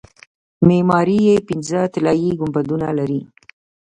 معماري یې پنځه طلایي ګنبدونه لري.